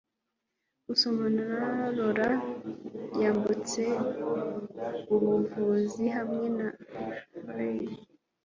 Gusomana Laura yambutse ubuvuzi hamwe na furze